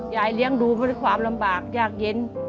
ยายเลี้ยงดูมาด้วยความลำบากยากเย็น